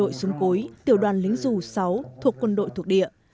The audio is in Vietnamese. bộ đội xuống cuối tiểu đoàn lính dù sáu thuộc quân đội thuộc địa